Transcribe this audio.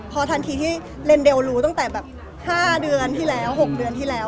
พอทันทีที่เลนเดลรู้ตั้งแต่แบบ๕เดือนที่แล้ว๖เดือนที่แล้ว